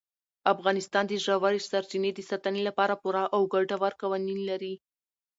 افغانستان د ژورې سرچینې د ساتنې لپاره پوره او ګټور قوانین لري.